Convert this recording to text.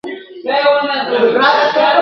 سوال یې وکړ له یو چا چي څه کیسه ده ..